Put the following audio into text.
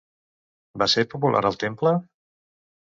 Va ser popular el temple?